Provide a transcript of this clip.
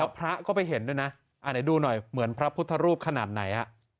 พระก็ไปเห็นด้วยนะไหนดูหน่อยเหมือนพระพุทธรูปขนาดไหน